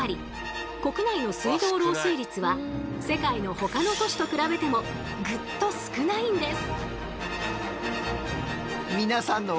国内の水道漏水率は世界のほかの都市と比べてもグッと少ないんです。